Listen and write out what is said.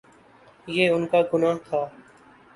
یہ ان کا گناہ تھا۔